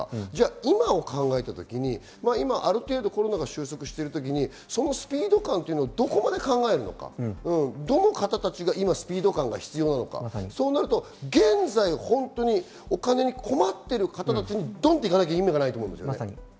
今、考えたときにある程度、コロナの収束してる時にそのスピード感をどこまで考えるのか、どの方たちが今スピード感が必要なのか、現在、本当にお金に困っている方たちに行かなきゃ意味ないと思います。